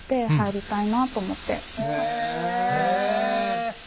はい。